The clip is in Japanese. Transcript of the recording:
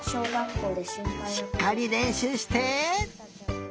しっかりれんしゅうして。